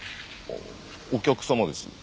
お客様です。